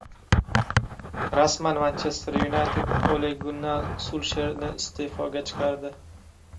Rasman: “Manchester Yunayted” Ole-Gunnar Sulsherni iste’foga chiqardi